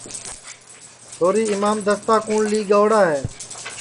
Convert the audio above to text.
چھوری اِمام دستا کُوٹؔ لی گئوڑا ہے